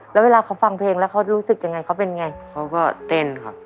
แล้วเวลาเขาฟังเพลงแล้วเขารู้สึกยังไงเขาเป็นไงเขาก็เต้นครับ